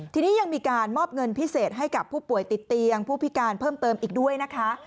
ทีนี้ยังมีการมอบเงินพิเศษให้กับผู้ป่วยติดเตียงผู้พิการเพิ่มเติมอีกด้วยนะคะ